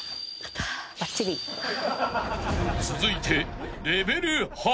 ［続いて］